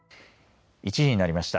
１時になりました。